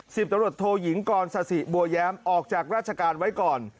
สิบตำรวจโทยิงกรศาสิบัวแย้มออกจากราชการไว้ก่อน